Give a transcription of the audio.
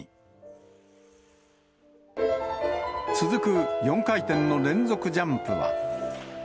続く４回転の連続ジャンプは。